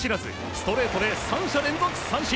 ストレートで３者連続三振。